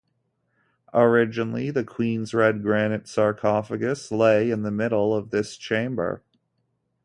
Originally, the queen's red granite sarcophagus lay in the middle of this chamber.